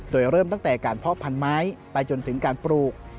โดยเริ่มตั้งแต่การเพาะพันไม้ไปจนถึงการปลูก